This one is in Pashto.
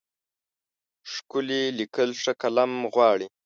ښکلي لیکل ښه قلم غواړي.